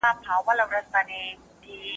د غلو او ډاکوګانو سره څنګه چلند کيده؟